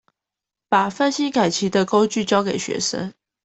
把分析感情的工具教給學生